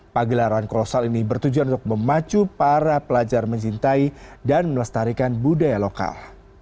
pagelaran kolosal ini bertujuan untuk memacu para pelajar mencintai dan melestarikan budaya lokal